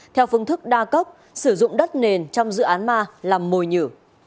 theo phương thức đa cấp sử dụng đất nền trong dự án ma làm mồi nhử